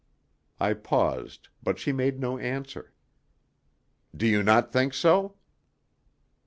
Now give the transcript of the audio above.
I paused, but she made no answer. "Do you not think so?"